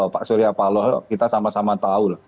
pak surya paloh kita sama sama tahu lah